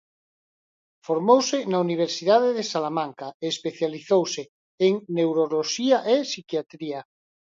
Formouse na Universidade de Salamanca e especializouse en Neuroloxía e Psiquiatría.